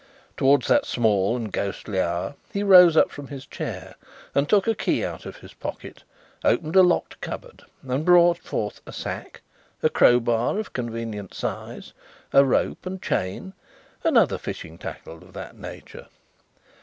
Towards that small and ghostly hour, he rose up from his chair, took a key out of his pocket, opened a locked cupboard, and brought forth a sack, a crowbar of convenient size, a rope and chain, and other fishing tackle of that nature.